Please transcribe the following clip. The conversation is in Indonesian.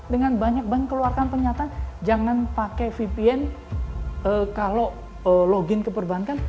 dengan banyak bank keluarkan pernyataan jangan pakai vpn kalau login ke perbankan